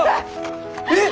えっ！